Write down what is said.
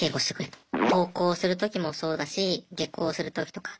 登校する時もそうだし下校する時とか。